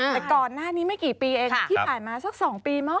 แต่ก่อนหน้านี้ไม่กี่ปีเองที่ผ่านมาสัก๒ปีมั้